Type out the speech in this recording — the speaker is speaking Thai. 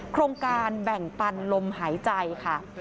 โครงการแบ่งปันลมหายใจค่ะ